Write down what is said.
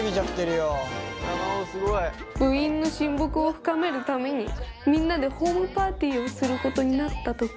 部員の親睦を深めるためにみんなでホームパーティーをすることになった時。